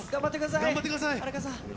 頑張ってください。